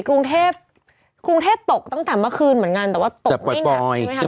กรุงเทพฯตกตั้งแต่เมื่อคืนเหมือนกันแต่ว่าตกไม่หนัก